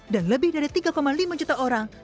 dan lebih dari tiga lima juta orang